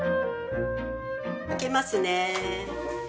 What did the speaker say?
開けますね。